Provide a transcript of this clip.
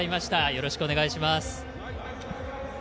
よろしくお願いします。